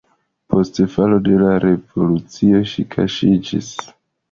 Post falo de la revolucio ŝi kaŝiĝis.